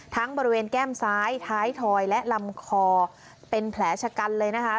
บริเวณแก้มซ้ายท้ายถอยและลำคอเป็นแผลชะกันเลยนะคะ